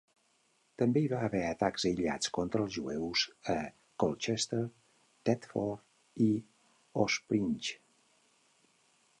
També hi va haver atacs aïllats contra els jueus a Colchester, Thetford i Ospringe.